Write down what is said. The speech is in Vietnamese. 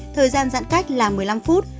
thời gian giãn cách là một mươi năm phút